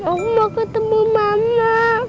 aku mau ketemu mama